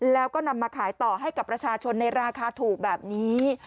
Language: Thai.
แล้วก็นำมาขายต่อให้กับประชาชนในราคาถูกแบบนี้